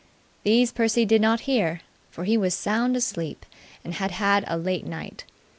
These Percy did not hear, for he was sound asleep and had had a late night.